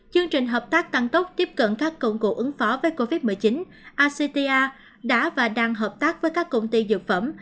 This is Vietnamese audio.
chương trình hợp tác tăng tốc tiếp cận các công cụ ứng phó với covid một mươi chín acta đã và đang hợp tác với các công ty dược phẩm